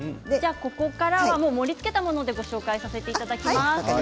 盛りつけたものでご紹介させていただきます。